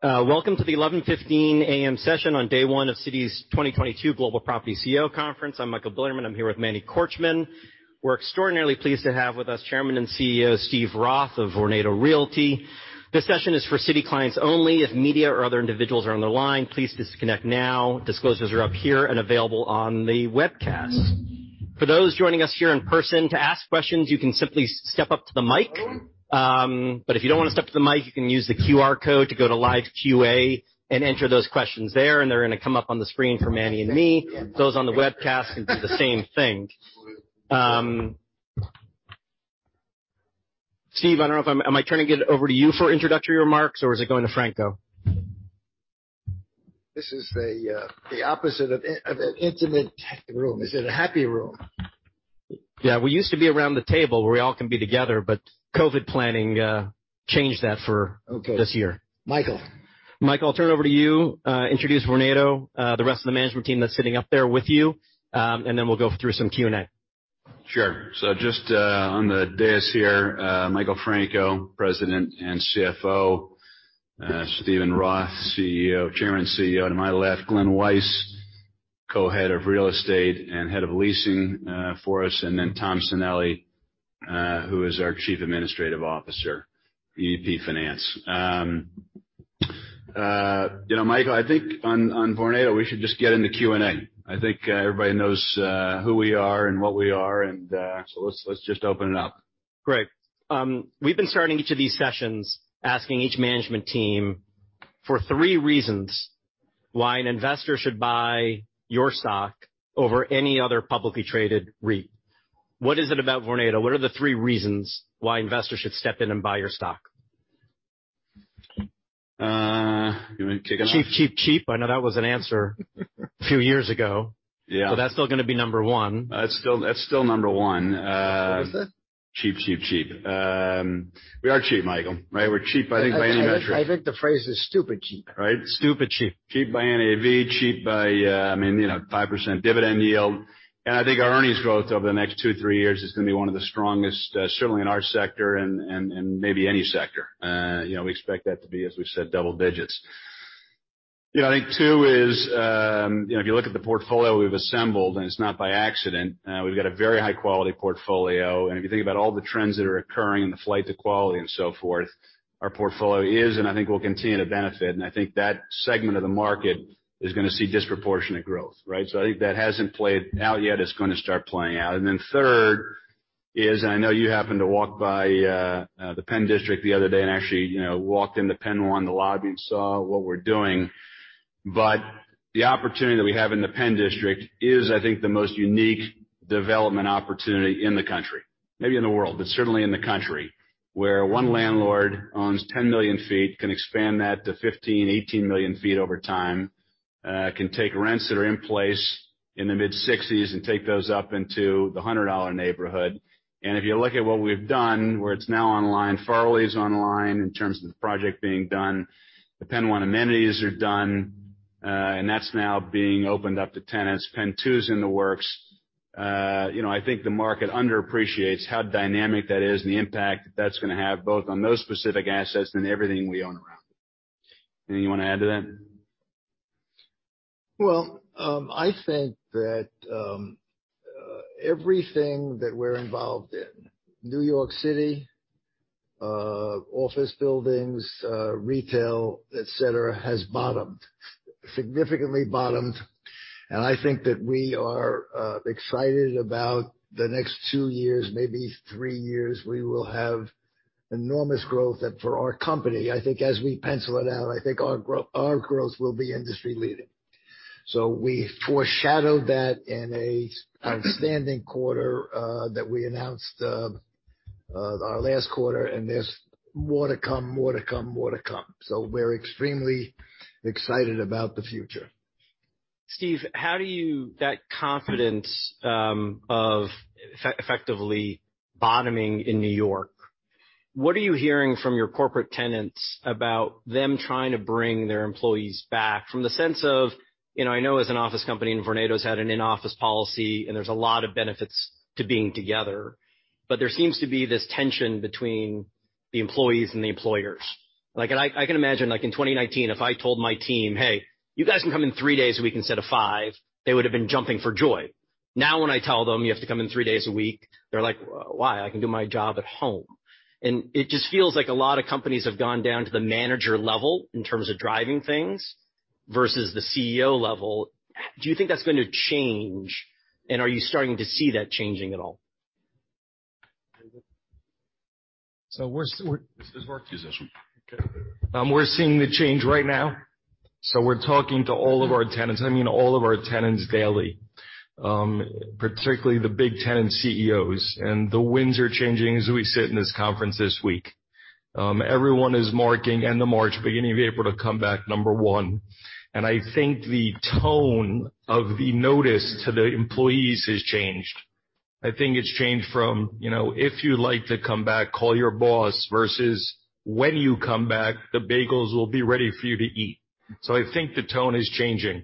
Welcome to the 11:15 A.M. session on day one of Citi's 2022 Global Property CEO Conference. I'm Michael Bilerman. I'm here with Manny Korchman. We're extraordinarily pleased to have with us Chairman and CEO Steven Roth of Vornado Realty. This session is for Citi clients only. If media or other individuals are on the line, please disconnect now. Disclosures are up here and available on the webcast. For those joining us here in person, to ask questions, you can simply step up to the mic. But if you don't wanna step up to the mic, you can use the QR code to go to live QA and enter those questions there, and they're gonna come up on the screen for Manny and me. Those on the webcast can do the same thing. Steven, I don't know if I'm... Am I turning it over to you for introductory remarks, or is it going to Franco? This is the opposite of an intimate room. This is a happy room. Yeah, we used to be around the table where we all can be together, but COVID planning changed that. Okay. this year. Michael. Mike, I'll turn it over to you. Introduce Vornado, the rest of the management team that's sitting up there with you, and then we'll go through some Q&A. Sure. Just on the dais here, Michael Franco, President and CFO. Steven Roth, Chairman and CEO. To my left, Glen Weiss, Co-Head of Real Estate and Head of Leasing for us. And then Thomas Sanelli, who is our Chief Administrative Officer, EVP, Finance. You know, Michael, I think on Vornado, we should just get into Q&A. I think everybody knows who we are and what we are, and so let's just open it up. Great. We've been starting each of these sessions asking each management team for three reasons why an investor should buy your stock over any other publicly traded REIT. What is it about Vornado? What are the three reasons why investors should step in and buy your stock? You want me to kick it off? Cheap. I know that was a few years ago. Yeah. That's still gonna be number one. That's still number one. What was that? Cheap, cheap. We are cheap, Michael, right? We're cheap, I think, by any metric. I think the phrase is stupid cheap. Right? Stupid cheap. Cheap by NAV, cheap by, I mean, you know, 5% dividend yield. I think our earnings growth over the next two, three years is gonna be one of the strongest, certainly in our sector and maybe any sector. You know, we expect that to be, as we've said, double digits. You know, I think two is, you know, if you look at the portfolio we've assembled, and it's not by accident, we've got a very high quality portfolio. If you think about all the trends that are occurring and the flight to quality and so forth, our portfolio is, and I think will continue to benefit. I think that segment of the market is gonna see disproportionate growth, right? I think that hasn't played out yet. It's gonna start playing out. Then third is, and I know you happened to walk by the PENN District the other day and actually, you know, walked into PENN 1, the lobby, and saw what we're doing. The opportunity that we have in the PENN District is, I think, the most unique development opportunity in the country, maybe in the world, but certainly in the country, where one landlord owns 10 million sq ft, can expand that to 15-18 million sq ft over time. Can take rents that are in place in the mid-$60s and take those up into the $100 neighborhood. If you look at what we've done, where it's now online, Farley's online in terms of the project being done. The PENN 1 amenities are done, and that's now being opened up to tenants. PENN 2's in the works. you know, I think the market underappreciates how dynamic that is and the impact that's gonna have both on those specific assets and everything we own around. Anything you wanna add to that? Well, I think that everything that we're involved in, New York City office buildings, retail, et cetera, has bottomed. Significantly bottomed. I think that we are excited about the next two years, maybe three years, we will have enormous growth. For our company, I think as we pencil it out, I think our growth will be industry-leading. We foreshadowed that in an outstanding quarter that we announced our last quarter. There's more to come. We're extremely excited about the future. Steve, that confidence of effectively bottoming in New York, what are you hearing from your corporate tenants about them trying to bring their employees back from the sense of. You know, I know as an office company, and Vornado's had an in-office policy, and there's a lot of benefits to being together. There seems to be this tension between the employees and the employers. Like, I can imagine, like, in 2019, if I told my team, "Hey, you guys can come in three days a week instead of five," they would have been jumping for joy. Now when I tell them, "You have to come in three days a week," they're like, "Why? I can do my job at home." It just feels like a lot of companies have gone down to the manager level in terms of driving things versus the CEO level. Do you think that's going to change, and are you starting to see that changing at all? We're This is Mark's position. Okay. We're seeing the change right now. We're talking to all of our tenants, I mean, all of our tenants daily, particularly the big tenant CEOs. The winds are changing as we sit in this conference this week. Everyone is marking end of March, beginning of April, to come back, number one. I think the tone of the notice to the employees has changed. I think it's changed from, you know, "If you'd like to come back, call your boss," versus, "When you come back, the bagels will be ready for you to eat." I think the tone is changing.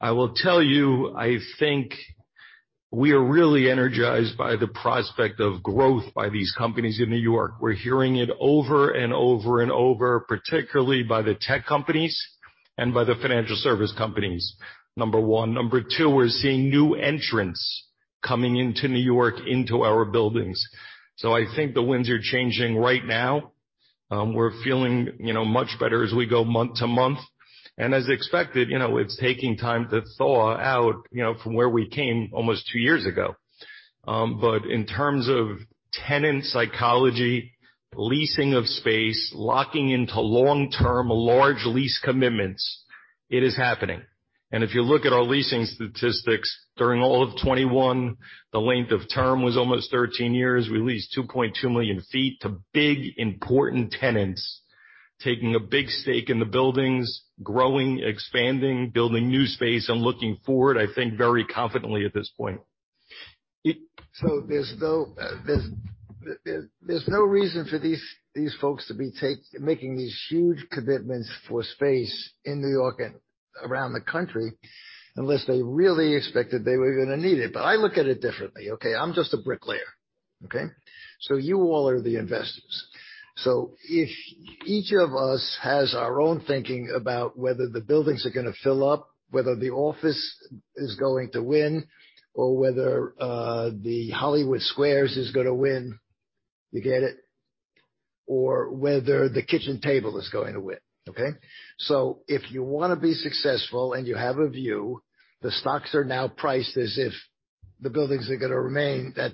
I will tell you, I think- We are really energized by the prospect of growth by these companies in New York. We're hearing it over and over and over, particularly by the tech companies and by the financial service companies, number one. Number two, we're seeing new entrants coming into New York into our buildings. I think the winds are changing right now. We're feeling, you know, much better as we go month to month. As expected, you know, it's taking time to thaw out, you know, from where we came almost two years ago. But in terms of tenant psychology, leasing of space, locking into long-term large lease commitments, it is happening. If you look at our leasing statistics during all of 2021, the length of term was almost 13 years. We leased 2.2 million sq ft to big, important tenants taking a big stake in the buildings, growing, expanding, building new space and looking forward, I think, very confidently at this point. There's no reason for these folks to be making these huge commitments for space in New York and around the country unless they really expected they were gonna need it. I look at it differently, okay? I'm just a bricklayer, okay? You all are the investors. If each of us has our own thinking about whether the buildings are gonna fill up, whether the office is going to win or whether the Hollywood Squares is gonna win, you get it? Whether the kitchen table is going to win, okay? If you wanna be successful and you have a view, the stocks are now priced as if the buildings are gonna remain that,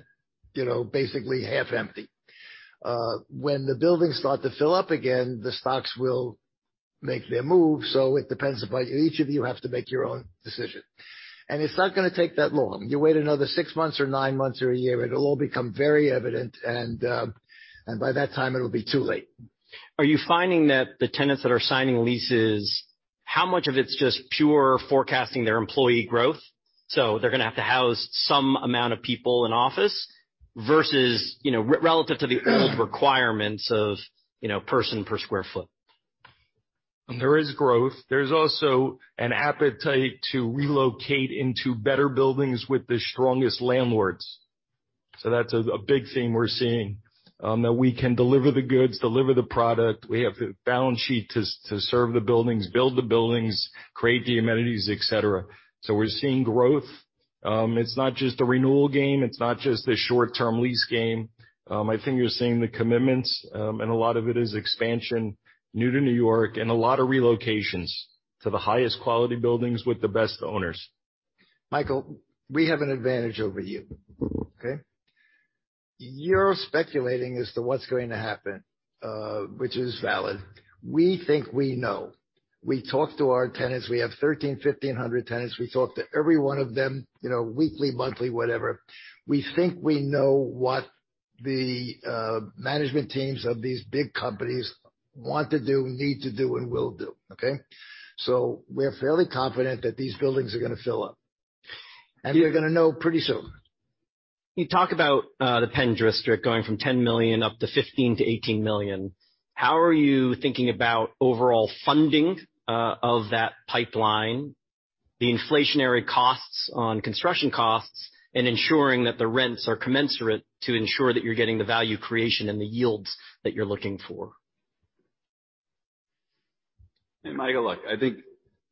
you know, basically half empty. When the buildings start to fill up again, the stocks will make their move, so it depends upon you. Each of you have to make your own decision. It's not gonna take that long. You wait another six months or nine months or a year, it'll all become very evident, and by that time, it'll be too late. Are you finding that the tenants that are signing leases, how much of it's just pure forecasting their employee growth, so they're gonna have to house some amount of people in office versus, you know, relative to the old requirements of, you know, person per square foot? There is growth. There's also an appetite to relocate into better buildings with the strongest landlords. That's a big theme we're seeing, that we can deliver the goods, deliver the product. We have the balance sheet to serve the buildings, build the buildings, create the amenities, et cetera. We're seeing growth. It's not just the renewal game, it's not just the short-term lease game. I think you're seeing the commitments, and a lot of it is expansion, new to New York and a lot of relocations to the highest quality buildings with the best owners. Michael, we have an advantage over you. Okay? You're speculating as to what's going to happen, which is valid. We think we know. We talk to our tenants. We have 1,300-1,500 tenants. We talk to every one of them, you know, weekly, monthly, whatever. We think we know what the management teams of these big companies want to do, need to do and will do. Okay? We're fairly confident that these buildings are gonna fill up, and you're gonna know pretty soon. You talk about the PENN district going from 10 million up to 15-18 million. How are you thinking about overall funding of that pipeline, the inflationary costs on construction costs and ensuring that the rents are commensurate to ensure that you're getting the value creation and the yields that you're looking for? Hey, Michael, look, I think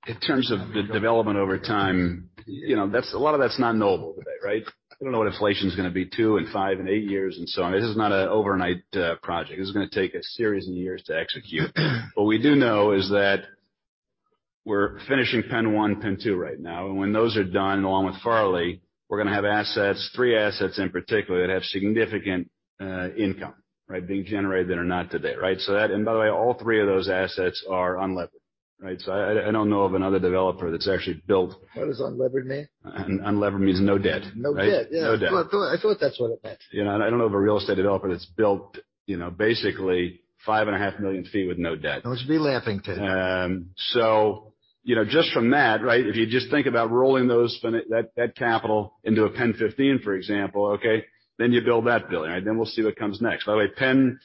in terms of the development over time, you know, that's a lot that's not knowable today, right? I don't know what inflation is gonna be in two, five and eight years and so on. This is not an overnight project. This is gonna take a series of years to execute. What we do know is that we're finishing PENN 1, PENN 2 right now, and when those are done along with Farley, we're gonna have assets, three assets in particular, that have significant income being generated that are not today, right? By the way, all three of those assets are unlevered, right? I don't know of another developer that's actually built- What does unlevered mean? Unlevered means no debt. No debt. No debt. Yeah. I thought that's what it meant. You know, I don't know of a real estate developer that's built, you know, basically 5.5 million sq ft with no debt. I must be laughing today. You know, just from that, right, if you just think about rolling that capital into a PENN 15, for example, okay, you build that building. Right? We'll see what comes next. By the way, PENN,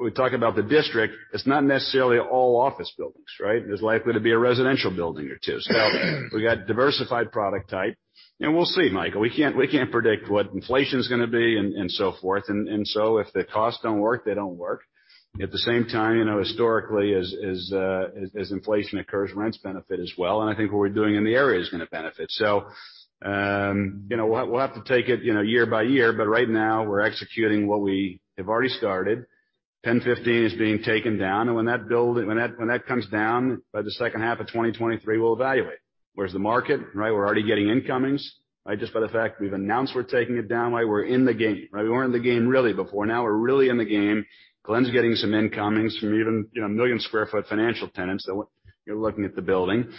we talk about the district, it's not necessarily all office buildings, right? There's likely to be a residential building or two. We got diversified product type and we'll see, Michael, we can't predict what inflation's gonna be and so forth. If the costs don't work, they don't work. At the same time, you know, historically as inflation occurs, rents benefit as well. I think what we're doing in the area is gonna benefit. We'll have to take it year by year, but right now we're executing what we have already started. PENN 15 is being taken down, and when that comes down by the second half of 2023, we'll evaluate. Where's the market, right? We're already getting incomings, right? Just by the fact we've announced we're taking it down. Why we're in the game, right? We weren't in the game really before. Now we're really in the game. Glen's getting some incomings from even, you know, 1 million sq ft financial tenants that we're looking at the building.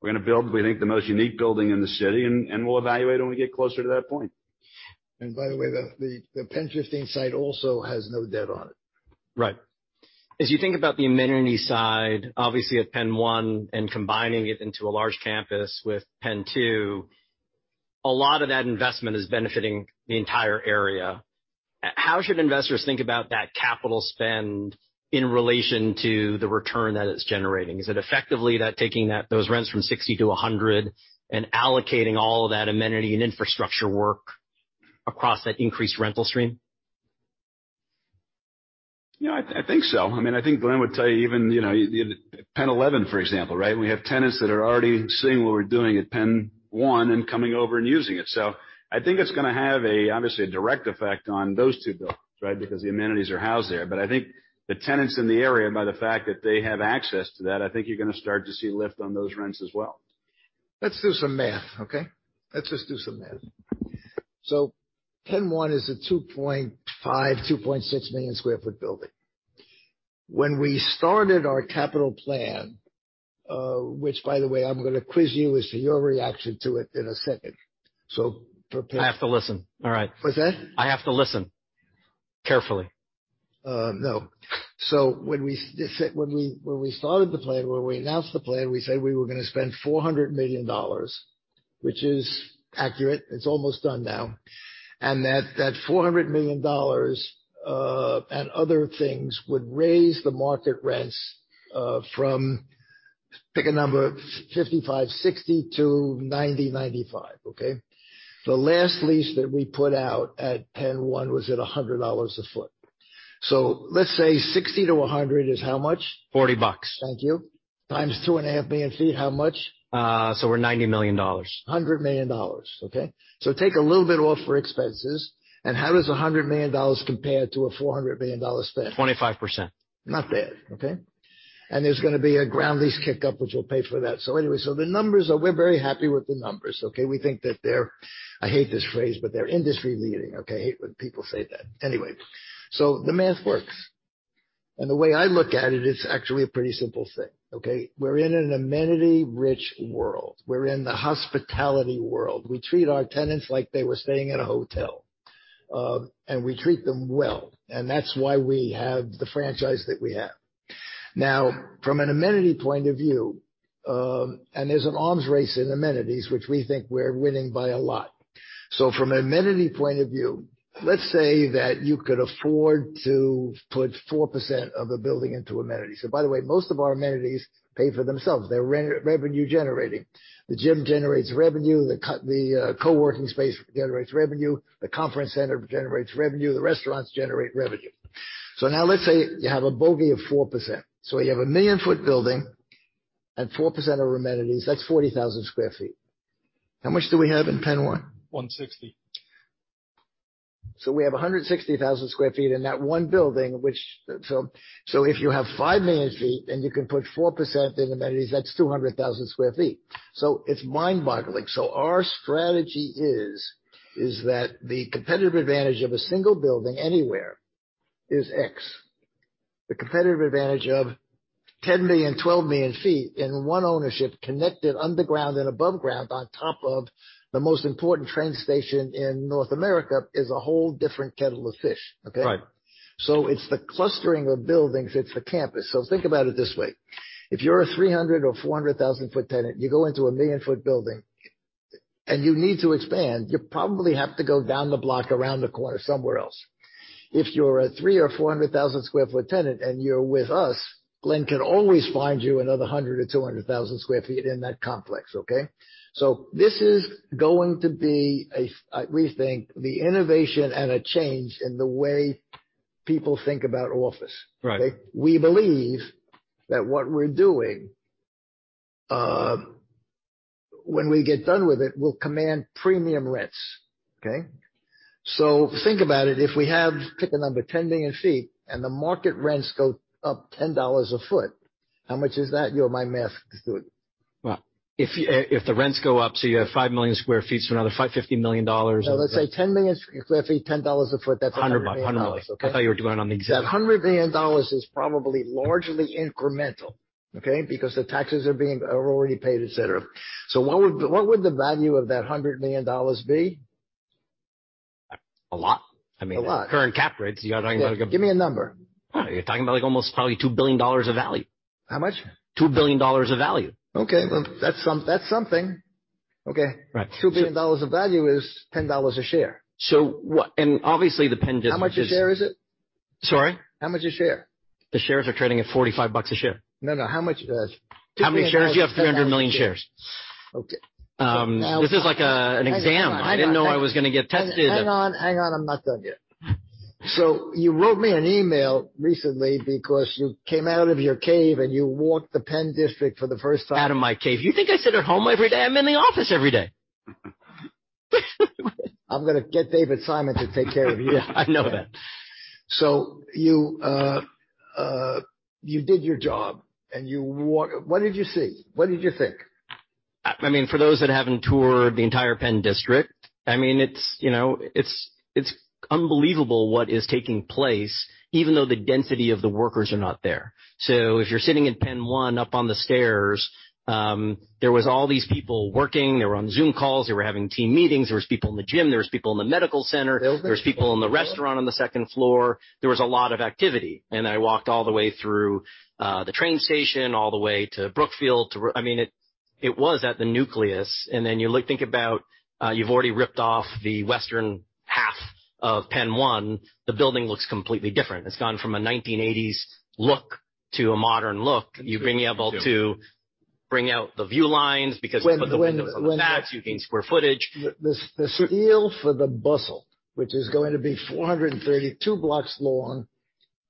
We're gonna build, we think, the most unique building in the city, and we'll evaluate when we get closer to that point. By the way, the PENN 15 site also has no debt on it. Right. As you think about the amenity side, obviously at PENN 1 and combining it into a large campus with PENN 2, a lot of that investment is benefiting the entire area. How should investors think about that capital spend in relation to the return that it's generating? Is it effectively taking those rents from $60-$100 and allocating all of that amenity and infrastructure work across that increased rental stream? You know, I think so. I mean, I think Glen would tell you even, you know, the PENN 11, for example, right? We have tenants that are already seeing what we're doing at PENN 1 and coming over and using it. I think it's gonna have a, obviously, a direct effect on those two buildings, right? Because the amenities are housed there. I think the tenants in the area, by the fact that they have access to that, I think you're gonna start to see lift on those rents as well. Let's do some math, okay? Let's just do some math. PENN 1 is a 2.5-2.6 million sq ft building. When we started our capital plan, which by the way, I'm gonna quiz you as to your reaction to it in a second. Prepare- I have to listen. All right. What's that? I have to listen carefully. No. When we started the plan, when we announced the plan, we said we were gonna spend $400 million, which is accurate. It's almost done now. That $400 million and other things would raise the market rents from, pick a number, 55, 60 to 90, 95, okay? The last lease that we put out at PENN 1 was at $100 a foot. Let's say 60 to 100 is how much? $40. Thank you. x2.5 million feet, how much? We're $90 million. $100 million. Okay? Take a little bit off for expenses, and how does $100 million compare to a $400 million spend? 25%. Not bad. Okay? There's gonna be a ground lease kick-up, which will pay for that. Anyway, We're very happy with the numbers, okay? We think that they're, I hate this phrase, but they're industry-leading, okay? I hate when people say that. Anyway, the math works. The way I look at it is actually a pretty simple thing, okay? We're in an amenity-rich world. We're in the hospitality world. We treat our tenants like they were staying at a hotel, and we treat them well, and that's why we have the franchise that we have. Now, from an amenity point of view, and there's an arms race in amenities, which we think we're winning by a lot. From an amenity point of view, let's say that you could afford to put 4% of a building into amenities. By the way, most of our amenities pay for themselves. They're revenue generating. The gym generates revenue. The co-working space generates revenue. The conference center generates revenue. The restaurants generate revenue. Now let's say you have a bogey of 4%. You have a 1 million foot building and 4% are amenities. That's 40,000 square feet. How much do we have in PENN 1? 160. We have 160,000 sq ft in that one building. If you have 5 million sq ft and you can put 4% in amenities, that's 200,000 sq ft. It's mind-boggling. Our strategy is that the competitive advantage of a single building anywhere is X. The competitive advantage of 10 million, 12 million sq ft in one ownership connected underground and above ground on top of the most important train station in North America is a whole different kettle of fish, okay. Right. It's the clustering of buildings. It's the campus. Think about it this way. If you're a 300 or 400 thousand sq ft tenant, you go into a million sq ft building, and you need to expand, you probably have to go down the block around the corner somewhere else. If you're a 300 or 400 thousand sq ft tenant and you're with us, Glen can always find you another 100 or 200 thousand sq ft in that complex, okay? This is going to be a rethink, the innovation and a change in the way people think about office. Right. We believe that what we're doing, when we get done with it, will command premium rents, okay? Think about it. If we have, pick a number, 10 million sq ft and the market rents go up $10 a sq ft, how much is that? You're my math steward. Well, if the rents go up, you have 5 million sq ft, another $50 million. No, let's say 10 million sq ft, $10 a foot, that's $100 million, okay? $100 million. I thought you were doing it on the existing. That $100 million is probably largely incremental, okay? Because the taxes are already paid, et cetera. What would the value of that $100 million be? A lot. I mean. A lot. Current cap rates, you're talking about. Give me a number. You're talking about, like, almost probably $2 billion of value. How much? $2 billion of value. Okay. Well, that's something. Okay. Right. $2 billion of value is $10 a share. Obviously, the PENN District is- How much a share is it? Sorry? How much a share? The shares are trading at $45 a share. No, no. How much, $10 million- How many shares? You have 300 million shares. Okay. This is like, an exam. I didn't know I was gonna get tested. Hang on, hang on. I'm not done yet. You wrote me an email recently because you came out of your cave, and you walked the PENN District for the first time. Out of my cave. You think I sit at home every day? I'm in the office every day. I'm gonna get David Simon to take care of you. Yeah, I know that. You did your job, and you walked. What did you see? What did you think? I mean, for those that haven't toured the entire PENN District, I mean, it's, you know, it's unbelievable what is taking place, even though the density of the workers are not there. If you're sitting in PENN 1 up on the stairs, there was all these people working. They were on Zoom calls. They were having team meetings. There was people in the gym. There was people in the medical center. Building. There was people in the restaurant on the second floor. There was a lot of activity. I walked all the way through the train station, all the way to Brookfield. I mean, it was at the nucleus, and then think about, you've already ripped off the western half of PENN 1. The building looks completely different. It's gone from a 1980s look to a modern look. You've been able to bring out the view lines because you put the windows on the back, you gain square footage. The steel for The Bustle, which is going to be 430 feet long,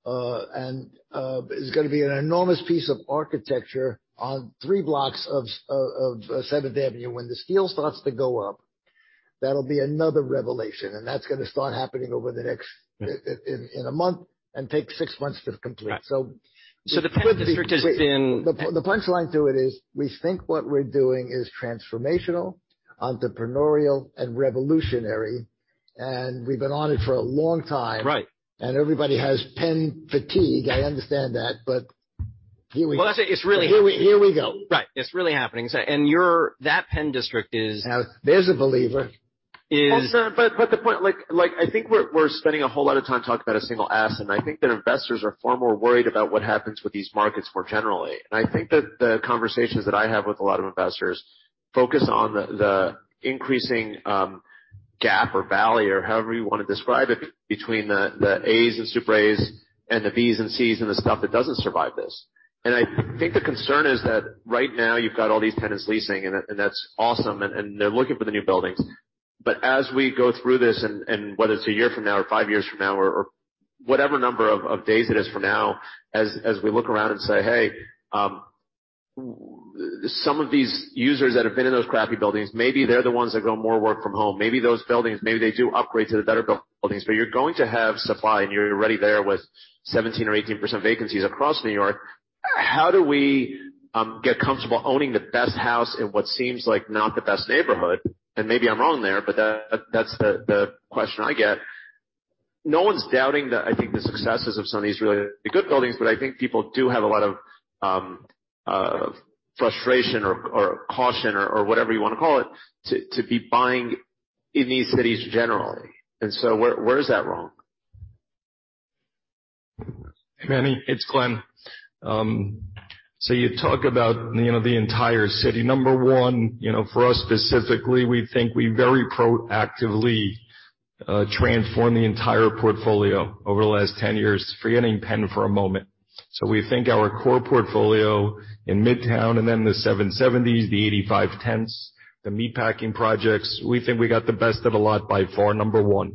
is gonna be an enormous piece of architecture on three blocks of Seventh Avenue. When the steel starts to go up, that'll be another revelation. That's gonna start happening in a month and take six months to complete. Right. So- The PENN District has been. The punchline to it is, we think what we're doing is transformational, entrepreneurial, and revolutionary, and we've been on it for a long time. Right. Everybody has PENN fatigue, I understand that. Here we- Well, that's it. It's really. Here we go. Right. It's really happening. That PENN District is- Now, there's a believer. Is- Well, no, the point. Like, I think we're spending a whole lot of time talking about a single asset, and I think that investors are far more worried about what happens with these markets more generally. I think that the conversations that I have with a lot of investors focus on the increasing gap or valley or however you wanna describe it between the A's and super A's and the B's and C's and the stuff that doesn't survive this. I think the concern is that right now you've got all these tenants leasing, and that's awesome, and they're looking for the new buildings. As we go through this and whether it's a year from now or five years from now or whatever number of days it is from now, as we look around and say, "Hey, some of these users that have been in those crappy buildings, maybe they're the ones that go more work from home. Maybe those buildings, maybe they do upgrade to the better buildings." You're going to have supply, and you're already there with 17% or 18% vacancies across New York. How do we get comfortable owning the best house in what seems like not the best neighborhood? Maybe I'm wrong there, but that's the question I get. No one's doubting, I think, the successes of some of these really good buildings, but I think people do have a lot of frustration or caution or whatever you wanna call it to be buying in these cities generally. Where is that wrong? Hey, Manny. It's Glen. You talk about, you know, the entire city. Number one, you know, for us specifically, we think we very proactively transformed the entire portfolio over the last 10 years, forgetting PENN for a moment. We think our core portfolio in Midtown and then the 70s, the 85 tenths, the Meatpacking projects, we think we got the best of a lot by far, number one.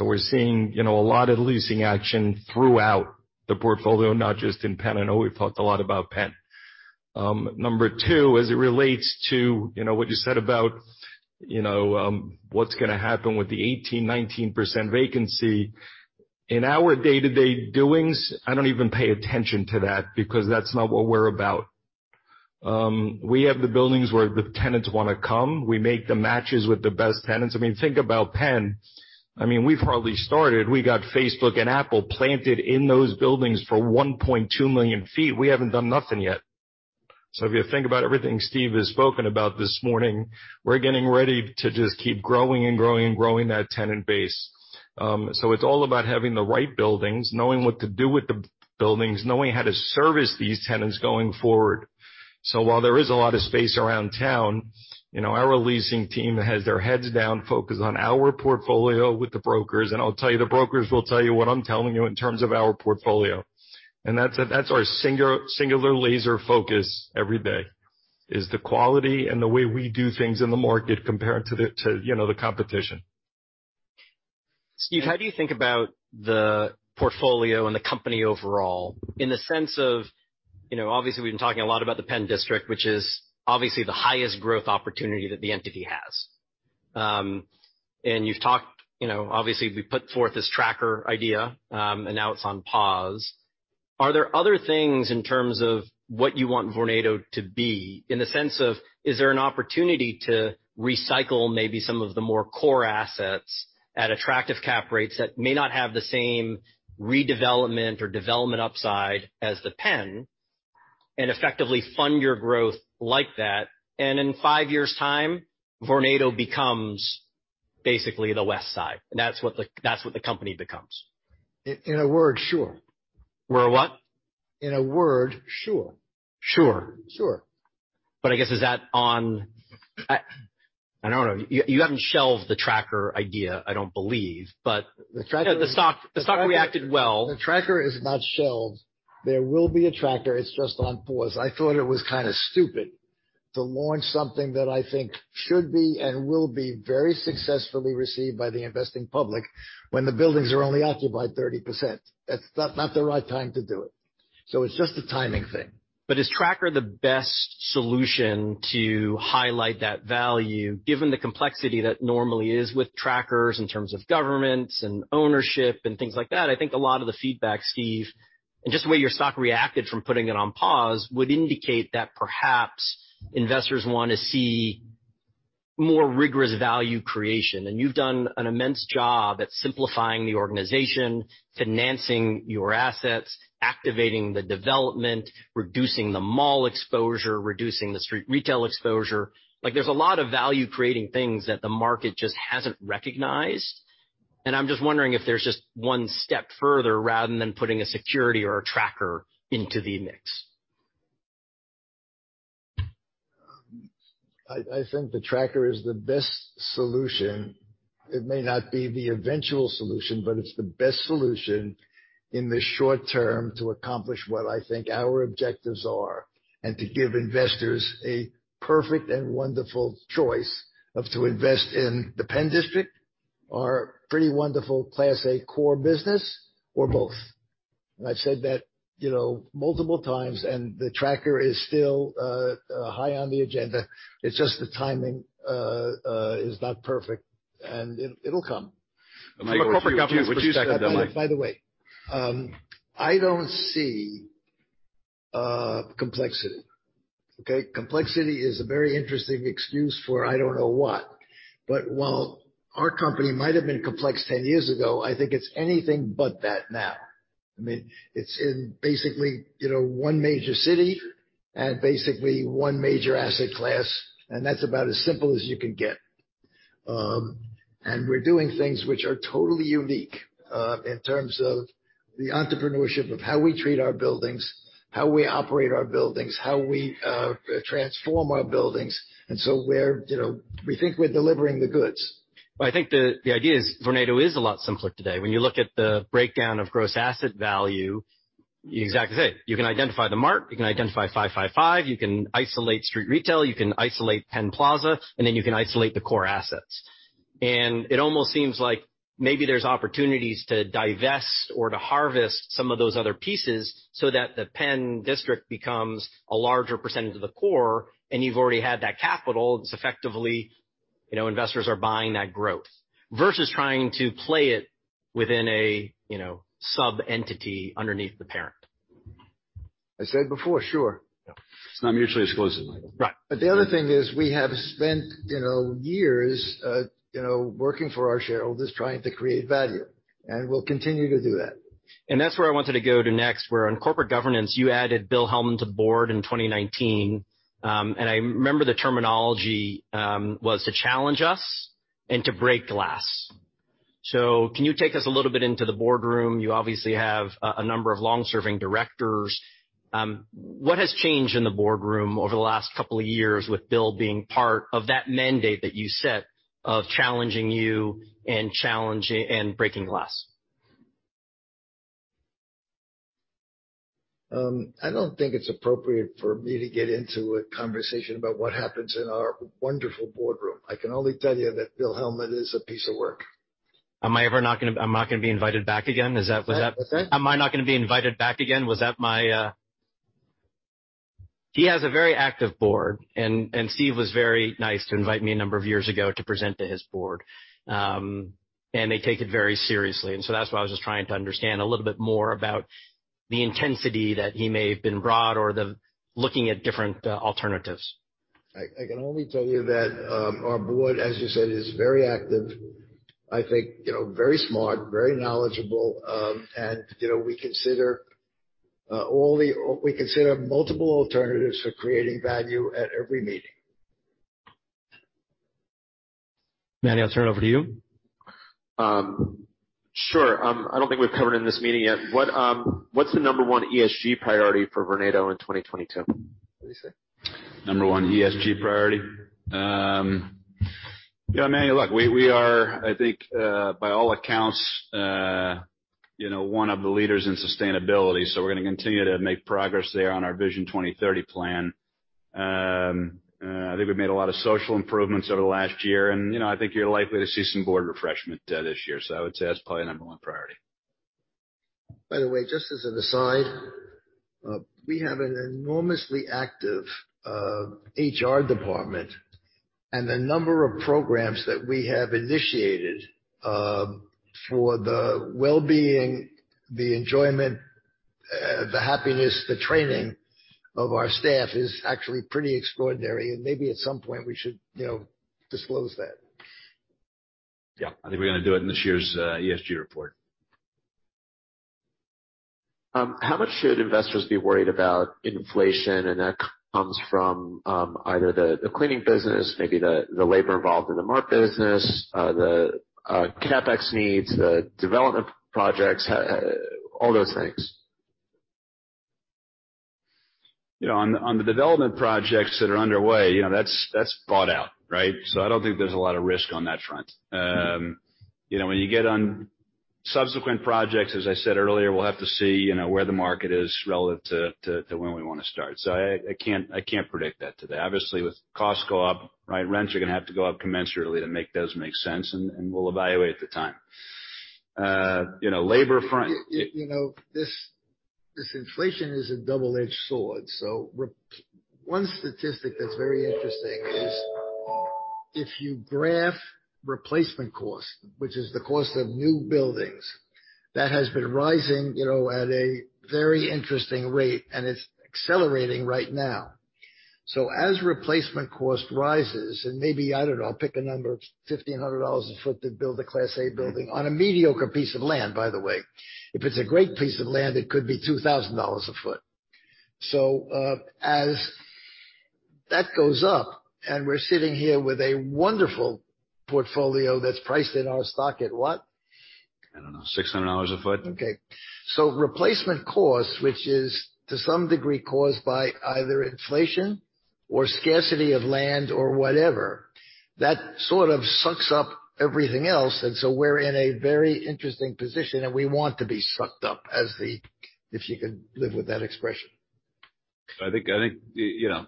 We're seeing, you know, a lot of leasing action throughout the portfolio, not just in PENN. I know we've talked a lot about PENN. Number two, as it relates to, you know, what you said about, you know, what's gonna happen with the 18%-19% vacancy. In our day-to-day doings, I don't even pay attention to that because that's not what we're about. We have the buildings where the tenants wanna come. We make the matches with the best tenants. I mean, think about PENN. I mean, we've hardly started. We got Facebook and Apple planted in those buildings for 1.2 million sq ft. We haven't done nothing yet. If you think about everything Steve has spoken about this morning, we're getting ready to just keep growing and growing and growing that tenant base. It's all about having the right buildings, knowing what to do with the buildings, knowing how to service these tenants going forward. While there is a lot of space around town, you know, our leasing team has their heads down focused on our portfolio with the brokers. I'll tell you, the brokers will tell you what I'm telling you in terms of our portfolio. That's our singular laser focus every day, is the quality and the way we do things in the market compared to you know, the competition. Steve, how do you think about the portfolio and the company overall in the sense of. You know, obviously, we've been talking a lot about the PENN District, which is obviously the highest growth opportunity that the entity has. And you've talked, you know, obviously, we put forth this tracker idea, and now it's on pause. Are there other things in terms of what you want Vornado to be in the sense of, is there an opportunity to recycle maybe some of the more core assets at attractive cap rates that may not have the same redevelopment or development upside as the PENN and effectively fund your growth like that, and in five years' time, Vornado becomes basically the West Side, and that's what the company becomes? In a word, sure. We're a what? In a word, sure. Sure. Sure. I guess, is that on? I don't know. You haven't shelved the tracker idea, I don't believe. The tracker. The stock reacted well. The tracker is not shelved. There will be a tracker. It's just on pause. I thought it was kinda stupid to launch something that I think should be and will be very successfully received by the investing public when the buildings are only occupied 30%. That's not the right time to do it. It's just a timing thing. Is tracker the best solution to highlight that value, given the complexity that normally is with trackers in terms of governments and ownership and things like that? I think a lot of the feedback, Steve, and just the way your stock reacted from putting it on pause, would indicate that perhaps investors wanna see more rigorous value creation. You've done an immense job at simplifying the organization, financing your assets, activating the development, reducing the mall exposure, reducing the street retail exposure. Like, there's a lot of value-creating things that the market just hasn't recognized. I'm just wondering if there's just one step further rather than putting a security or a tracker into the mix. I think the tracker is the best solution. It may not be the eventual solution, but it's the best solution in the short term to accomplish what I think our objectives are, and to give investors a perfect and wonderful choice of to invest in the PENN District, our pretty wonderful class A core business, or both. I've said that, you know, multiple times, and the tracker is still high on the agenda. It's just the timing is not perfect, and it'll come. From a corporate view, what's your perspective, Manny? By the way, I don't see complexity. Okay? Complexity is a very interesting excuse for I don't know what. While our company might have been complex ten years ago, I think it's anything but that now. I mean, it's in basically, you know, one major city and basically one major asset class, and that's about as simple as you can get. We're doing things which are totally unique in terms of the entrepreneurship of how we treat our buildings, how we operate our buildings, how we transform our buildings. We think we're delivering the goods. Well, I think the idea is Vornado is a lot simpler today. When you look at the breakdown of gross asset value, exactly today. You can identify the Mark, you can identify 555, you can isolate street retail, you can isolate Penn Plaza, and then you can isolate the core assets. It almost seems like maybe there's opportunities to divest or to harvest some of those other pieces so that the PENN District becomes a larger percentage of the core, and you've already had that capital. It's effectively, you know, investors are buying that growth. Versus trying to play it within a, you know, sub-entity underneath the parent. I said before, sure. It's not mutually exclusive, Michael. Right. The other thing is, we have spent, you know, years, you know, working for our shareholders trying to create value, and we'll continue to do that. That's where I wanted to go to next, on corporate governance, you added Bill Helman to the board in 2019, and I remember the terminology was to challenge us and to break glass. Can you take us a little bit into the boardroom? You obviously have a number of long-serving directors. What has changed in the boardroom over the last couple of years with Bill being part of that mandate that you set of challenging you and breaking glass? I don't think it's appropriate for me to get into a conversation about what happens in our wonderful boardroom. I can only tell you that Bill Helman is a piece of work. Am I not gonna be invited back again? Is that? What's that? Am I not gonna be invited back again? He has a very active board, and Steve was very nice to invite me a number of years ago to present to his board. They take it very seriously. That's why I was just trying to understand a little bit more about the intensity that he may have been brought or the looking at different alternatives. I can only tell you that our board, as you said, is very active. I think, you know, very smart, very knowledgeable. You know, we consider multiple alternatives for creating value at every meeting. Manny, I'll turn it over to you. Sure. I don't think we've covered in this meeting yet, what's the number one ESG priority for Vornado in 2022? What do you say? Number one ESG priority? You know, Manny, look, we are, I think, by all accounts, you know, one of the leaders in sustainability, so we're gonna continue to make progress there on our Vision 2030 plan. I think we made a lot of social improvements over the last year and, you know, I think you're likely to see some board refreshment, this year. I would say that's probably the number one priority. By the way, just as an aside, we have an enormously active HR department, and the number of programs that we have initiated for the well-being, the enjoyment, the happiness, the training of our staff is actually pretty extraordinary. Maybe at some point we should, you know, disclose that. Yeah. I think we're gonna do it in this year's ESG report. How much should investors be worried about inflation? That comes from either the cleaning business, maybe the labor involved in the Mart business, the CapEx needs, the development projects, all those things. You know, on the development projects that are underway, you know, that's bought out, right? I don't think there's a lot of risk on that front. You know, when you get on subsequent projects, as I said earlier, we'll have to see, you know, where the market is relative to when we wanna start. I can't predict that today. Obviously, with costs go up, right, rents are gonna have to go up commensurately to make those make sense, and we'll evaluate the time. You know, labor front- You know, this inflation is a double-edged sword. One statistic that's very interesting is if you graph replacement cost, which is the cost of new buildings, that has been rising, you know, at a very interesting rate, and it's accelerating right now. As replacement cost rises and maybe, I don't know, I'll pick a number, $1,500 a foot to build a class A building on a mediocre piece of land, by the way. If it's a great piece of land, it could be $2,000 a foot. As that goes up, and we're sitting here with a wonderful portfolio that's priced in our stock at what? I don't know, $600 a foot. Okay. Replacement cost, which is to some degree, caused by either inflation or scarcity of land or whatever, that sort of sucks up everything else. We're in a very interesting position, and we want to be sucked up as the. If you can live with that expression. I think you know,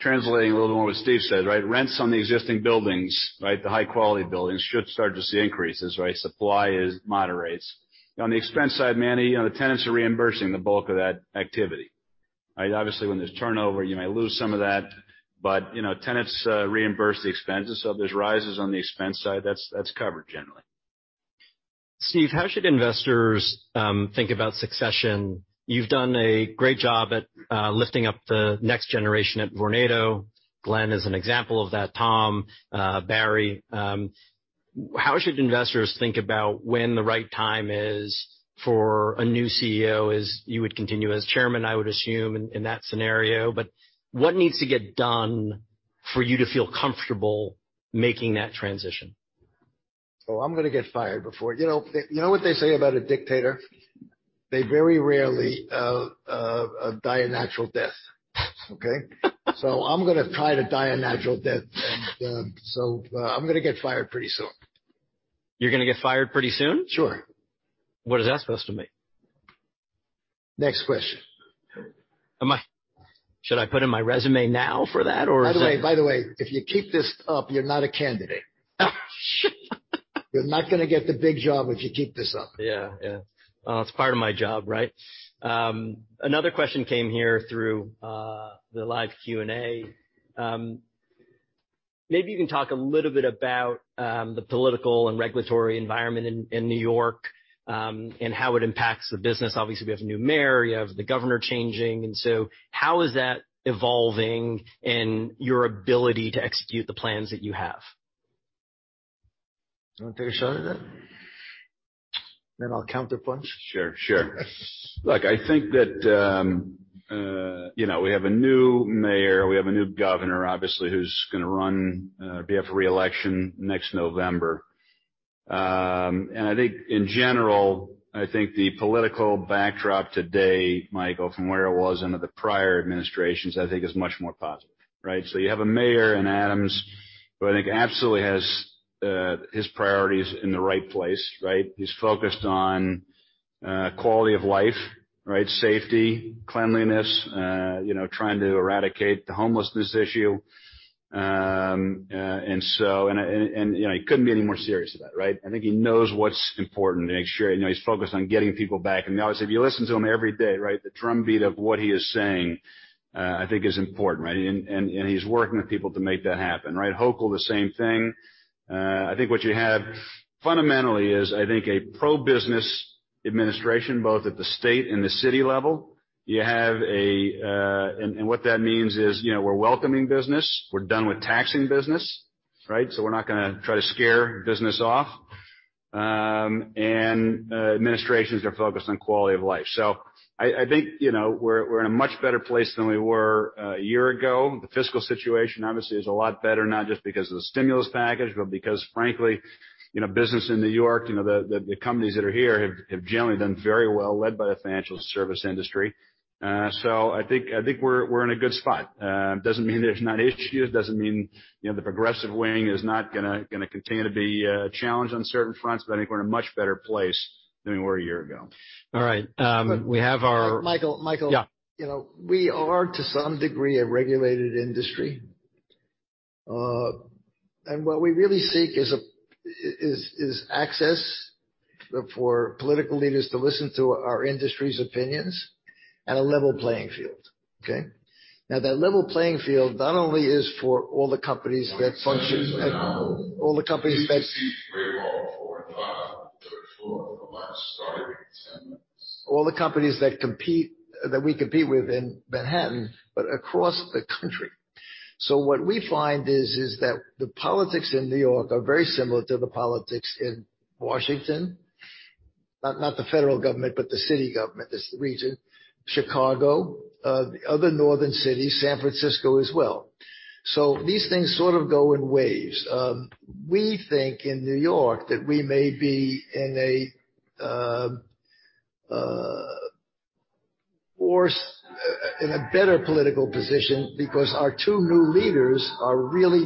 translating a little more what Steve said, right? Rents on the existing buildings, right, the high-quality buildings should start to see increases, right? Supply moderates. On the expense side, Manny, you know, the tenants are reimbursing the bulk of that activity. Right. Obviously, when there's turnover, you may lose some of that, but you know, tenants reimburse the expenses, so there's rises on the expense side. That's covered generally. Steve, how should investors think about succession? You've done a great job at lifting up the next generation at Vornado. Glen is an example of that. Tom, Barry. How should investors think about when the right time is for a new CEO, as you would continue as Chairman, I would assume in that scenario. What needs to get done for you to feel comfortable making that transition? Oh, I'm gonna get fired before. You know what they say about a dictator? They very rarely die a natural death. Okay? I'm gonna try to die a natural death. I'm gonna get fired pretty soon. You're gonna get fired pretty soon? Sure. What is that supposed to mean? Next question. Should I put in my resume now for that or is it? By the way, if you keep this up, you're not a candidate. You're not gonna get the big job if you keep this up. Yeah. Yeah. It's part of my job, right? Another question came here through the live Q&A. Maybe you can talk a little bit about the political and regulatory environment in New York, and how it impacts the business. Obviously, we have a new mayor, you have the governor changing, and so how is that evolving in your ability to execute the plans that you have? You want to take a shot at that? I'll counterpunch. Sure. Look, I think that, you know, we have a new mayor, we have a new governor, obviously, who's gonna run, be up for reelection next November. I think in general, the political backdrop today, Michael, from where it was under the prior administrations, I think is much more positive, right? You have Mayor Adams, who I think absolutely has his priorities in the right place, right? He's focused on quality of life, right? Safety, cleanliness, you know, trying to eradicate the homelessness issue. You know, he couldn't be any more serious about it, right? I think he knows what's important to make sure. You know, he's focused on getting people back. Obviously, if you listen to him every day, right, the drumbeat of what he is saying, I think is important, right? He's working with people to make that happen, right? Hochul, the same thing. I think what you have fundamentally is, I think, a pro-business administration, both at the state and the city level. What that means is, you know, we're welcoming business. We're done with taxing business, right? We're not gonna try to scare business off. Administrations are focused on quality of life. I think, you know, we're in a much better place than we were a year ago. The fiscal situation, obviously, is a lot better, not just because of the stimulus package, but because frankly, you know, business in New York, you know, the companies that are here have generally done very well, led by the financial service industry. I think we're in a good spot. It doesn't mean there's not issues. It doesn't mean, you know, the progressive wing is not gonna continue to be challenged on certain fronts. I think we're in a much better place than we were a year ago. All right. Michael. Yeah. You know, we are, to some degree, a regulated industry. What we really seek is access for political leaders to listen to our industry's opinions and a level playing field. Okay. Now, that level playing field not only is for all the companies that we compete with in Manhattan, but across the country. What we find is that the politics in New York are very similar to the politics in Washington. Not the federal government, but the city government is the region. Chicago, other northern cities, San Francisco as well. These things sort of go in waves. We think in New York that we may be in a better political position because our two new leaders are really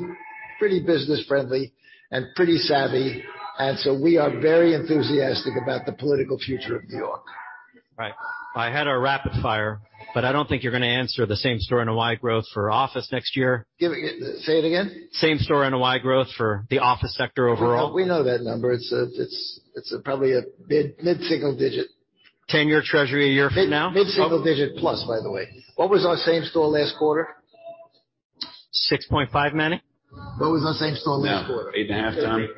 pretty business-friendly and pretty savvy, and so we are very enthusiastic about the political future of New York. Right. I had our rapid fire, but I don't think you're gonna answer the same store NOI growth for office next year. Say it again. Same-store NOI growth for the office sector overall. We know that number. It's probably a mid-single digit. 10-year Treasury a year from now. Mid-single-digit plus, by the way. What was our same-store last quarter? 6.5, Manny. What was our same store last quarter? No. 8.5, Tom.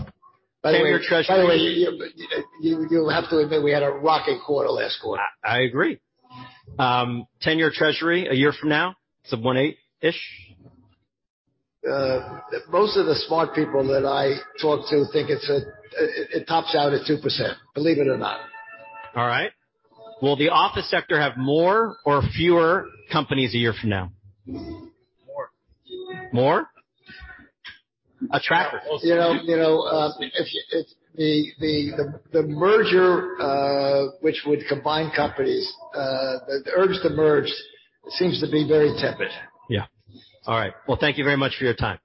8.5. By the way, you will have to admit we had a rocking quarter last quarter. I agree. 10-year Treasury a year from now, sub 1.8%. Most of the smart people that I talk to think it tops out at 2%, believe it or not. All right. Will the office sector have more or fewer companies a year from now? More. More? Attractors. You know, if the merger, which would combine companies, the urge to merge seems to be very tepid. Yeah. All right. Well, thank you very much for your time.